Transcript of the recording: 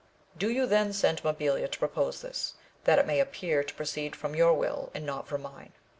Do you then send Mabilia to propose this, that it may appear to proceed from your will and not from mine.